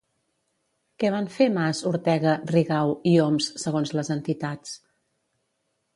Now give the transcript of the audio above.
Què van fer Mas, Ortega, Rigau i Homs segons les entitats?